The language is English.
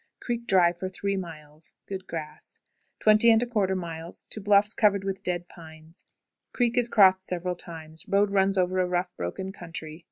Creek dry for three miles. Good grass. 20 1/4. Bluffs covered with dead pines. Creek is crossed several times. Road runs over a rough, broken country.